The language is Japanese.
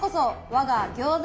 我が餃子